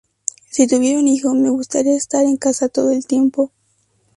Si tuviera un hijo, me gustaría estar en casa todo el tiempo.